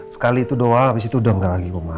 sekali itu doang abis itu udah gak lagi kok ma